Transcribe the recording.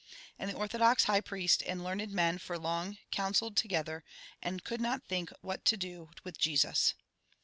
And the orthodox high priest and learned men for long counselled together, and could not think what to do with Jesus.